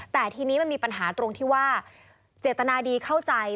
แต่ทีนี้มันมีปัญหาตรงที่ว่าเจตนาดีเข้าใจ